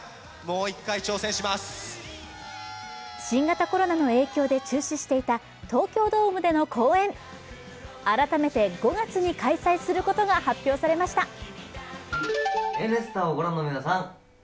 新型コロナの影響で中止していた東京ドームでの公演、改めて５月に開催することが発表されました。